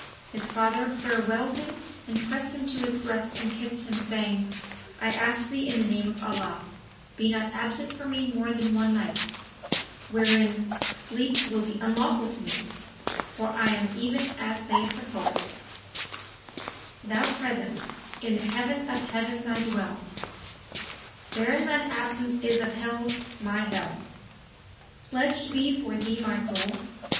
His father farewelled him and pressed him to his breast and kissed him, saying, "I ask thee in the name of Allah, be not absent from me more than one night, wherein sleep will be unlawful to me, for I am even as saith the poet, 'Thou present, in the Heaven of heavens I dwell; * Bearing shine absence is of hells my Hell: Pledged be for thee my soul!